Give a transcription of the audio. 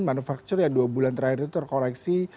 manufaktur yang dua bulan terakhir itu terkoreksi